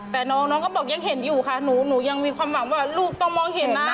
แต่น้องก็บอกยังเห็นอยู่ค่ะหนูยังมีความหวังว่าลูกต้องมองเห็นนะ